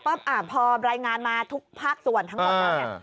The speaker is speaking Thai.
พอรายงานมาทุกภาคส่วนทั้งหมด